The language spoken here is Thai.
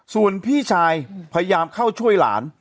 ส่วนพี่ชายพยายามเข้าช่วยหลาน